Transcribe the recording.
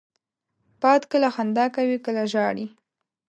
باد کله خندا کوي، کله ژاړي